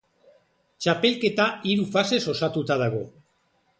Txapelketa hiru fasez osatuta dago.